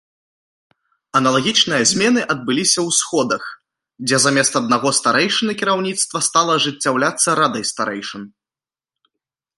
Аналагічныя змены адбыліся ў сходах, дзе замест аднаго старэйшыны кіраўніцтва стала ажыццяўляцца радай старэйшын.